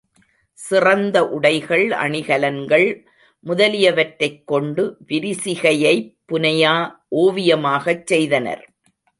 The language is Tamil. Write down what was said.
சிறந்த உடைகள், அணிகலன்கள் முதலியவற்றைக் கொண்டு விரிசிகையைப் புனையா ஓவியமாகச் செய்தனர்.